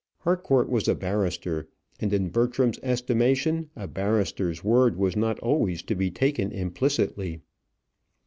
Harcourt was a barrister; and in Bertram's estimation a barrister's word was not always to be taken implicitly.